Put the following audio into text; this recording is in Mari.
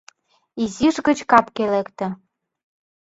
Изиш гыч капге лекте.